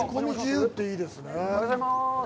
おはようございます。